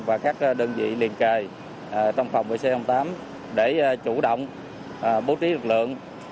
và các đơn vị liên kề trong phòng với c tám để chủ động bố trí lực lượng